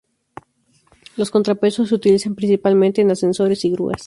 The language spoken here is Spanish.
Los contrapesos se utilizan principalmente en ascensores y grúas.